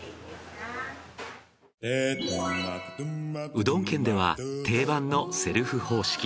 うどん県では定番のセルフ方式。